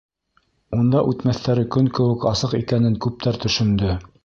Унда үтмәҫтәре көн кеүек асыҡ икәнен күптәр төшөндө.